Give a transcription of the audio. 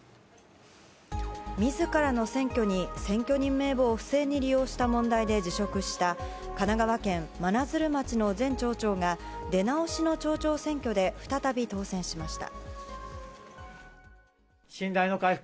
自らの選挙に選挙人名簿を不正に利用した問題で辞職した神奈川県真鶴町の前町長が出直しの町長選挙で再び当選しました。